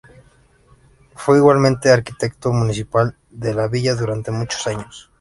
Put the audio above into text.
Fue igualmente arquitecto municipal de la villa durante muchos años.